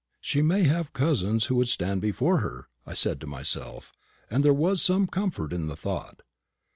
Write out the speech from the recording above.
"She may have cousins who would stand before her," I said to myself; and there was some comfort in the thought.